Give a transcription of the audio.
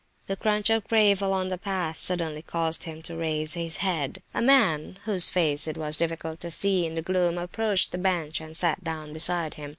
The crunch of gravel on the path suddenly caused him to raise his head. A man, whose face it was difficult to see in the gloom, approached the bench, and sat down beside him.